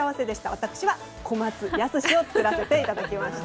私は「小松靖」を作らせていただきました。